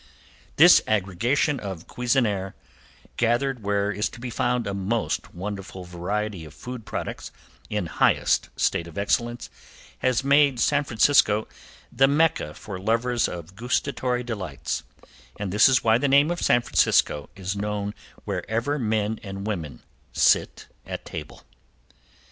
This aggregation of cuisinaire, gathered where is to be found a most wonderful variety of food products in highest state of excellence, has made San Francisco the Mecca for lovers of gustatory delights, and this is why the name of San Francisco is known wherever men and women sit at table.